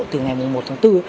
từ ngày một tháng bốn